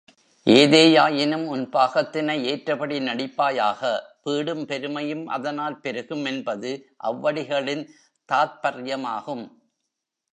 ஏதேயாயினும் உன் பாகத்தினை ஏற்றபடி நடிப்பாயாக பீடும் பெருமையும் அதனால் பெருகும் என்பது அவ்வடிகளின் தாத்பர்யமாகும்.